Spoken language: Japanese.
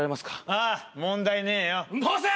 ああ問題ねえよボス！